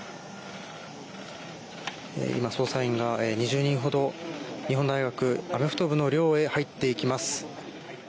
今、捜査員が２０人ほど日本大学アメフト部の寮へ入っていきます。